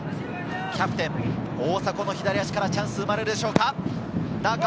キャプテン・大迫の左足からチャンスが生まれるでしょうか。